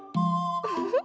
ウフフ。